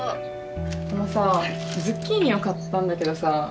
あのさズッキーニを買ったんだけどさ。